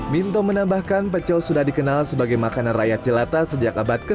minto menambahkan pecel sudah dikenal sebagai makanan rakyat jelata sejak abad ke sembilan